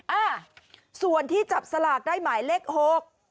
อ่ะส่วนที่จับสลากได้หมายเลขหก